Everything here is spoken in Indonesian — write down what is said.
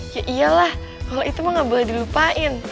ya iyalah kalau itu mah gak boleh dilupain